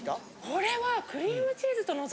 これは。